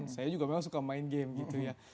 saya juga memang suka main game gitu ya